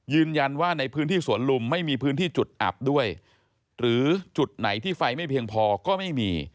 ยืนยันว่าในพื้นที่สวนลุมไม่มีพื้นที่จุดอับด้วยหรือจุดไหนที่ไฟไม่เพียงพอก็ไม่มี